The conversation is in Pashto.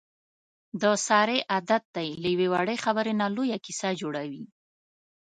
د سارې عادت دی له یوې وړې خبرې نه لویه کیسه جوړوي.